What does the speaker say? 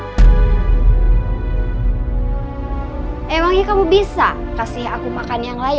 aku itu sekarang biasa makan di restoran mahal sama bos bos aku di kantor